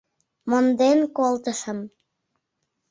— Монден колтышым.